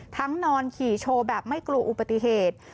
นอนขี่โชว์แบบไม่กลัวอุบัติเหตุ